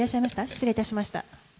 失礼いたしました。